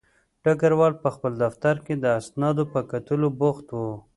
ډګروال په خپل دفتر کې د اسنادو په کتلو بوخت و